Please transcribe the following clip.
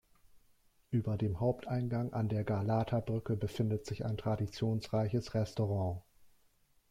Über dem Haupteingang an der Galata-Brücke befindet sich ein traditionsreiches Restaurant.